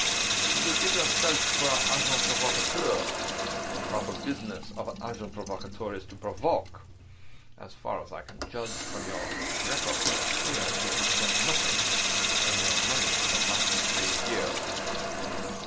"You give yourself for an 'agent provocateur.' The proper business of an 'agent provocateur' is to provoke. As far as I can judge from your record kept here, you have done nothing to earn your money for the last three years."